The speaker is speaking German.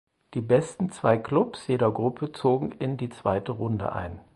Die besten zwei Klubs jeder Gruppe zogen in die zweite Runde ein.